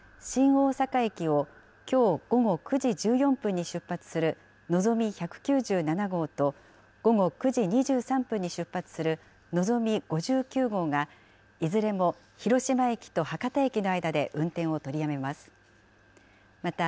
ＪＲ西日本によりますと、山陽新幹線は新大阪駅をきょう午後９時１４分に出発するのぞみ１９７号と、午後９時２３分に出発するのぞみ５９号がいずれも広島駅と博多駅の間で運転を取りやめます。